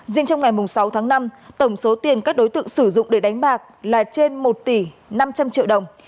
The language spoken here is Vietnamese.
riêng trong ngày sáu tháng năm tổng số tiền các đối tượng sử dụng để đánh bạc là trên một tỷ năm trăm linh triệu đồng